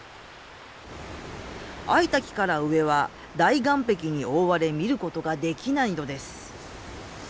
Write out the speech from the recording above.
Ｉ滝から上は大岩壁に覆われ見ることができないのです。